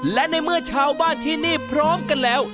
และในเมื่อชาวบ้านที่นี่พร้อมกันแล้ว